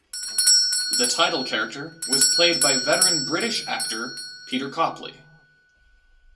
The title character was played by veteran British actor Peter Copley.